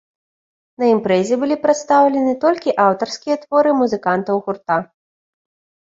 На імпрэзе былі прадстаўлены толькі аўтарскія творы музыкантаў гурта.